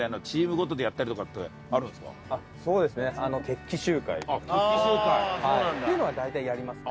あっ決起集会。っていうのは大体やりますね。